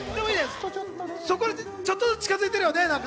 ちょっとずつ近づいてるよね。